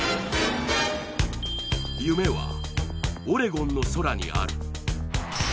夢は、オレゴンの空にある。